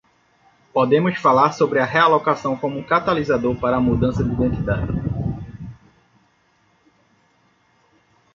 Podemos falar sobre a realocação como um catalisador para a mudança de identidade.